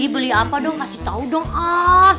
beli apa dong kasih tau dong ah